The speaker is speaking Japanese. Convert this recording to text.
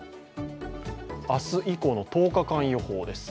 明日以降の１０日間予報です。